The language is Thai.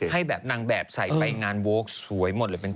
ให้แบบนางแบบใส่ไปงานโว๊คสวยหมดเลยเป็น